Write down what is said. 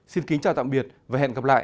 xin kính chào tạm biệt và hẹn gặp lại